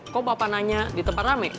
kok papa nanya di tempat rame